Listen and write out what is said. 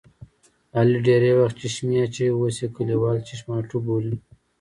علي ډېری وخت چشمې اچوي اوس یې کلیوال چشماټو بولي.